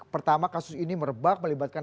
pertama kasus ini merebak melibatkan